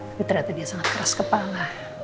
tapi ternyata dia sangat keras kepala